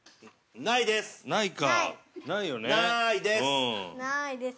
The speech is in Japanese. ◆ないです！